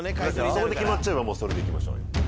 そこで決まっちゃえばもうそれで行きましょうよ。